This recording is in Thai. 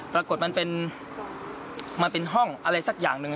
ปรากฏมันเป็นห้องอะไรสักอย่างหนึ่ง